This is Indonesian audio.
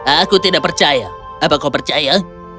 aku tidak percaya apa kau percaya